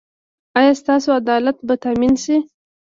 ایا ستاسو عدالت به تامین شي؟